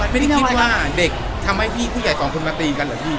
ไม่ได้คิดว่าเด็กทำให้พี่ผู้ใหญ่สองคนมาตีกันเหรอพี่